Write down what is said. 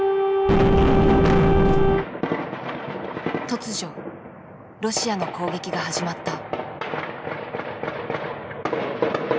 突如ロシアの攻撃が始まった。